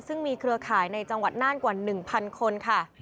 ซึ่งมีเครือข่ายในจังหวัดน่านกว่า๑๐๐คนค่ะ